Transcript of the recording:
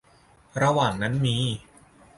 ระหว่างนั้นมี